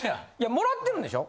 もらってるんでしょ？